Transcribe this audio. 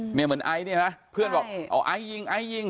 เนี่ยเหมือนไอเนี่ยนะเพื่อนบอกเอาไอยิง